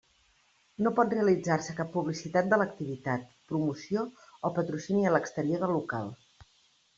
No pot realitzar-se cap publicitat de l'activitat, promoció o patrocini a l'exterior del local.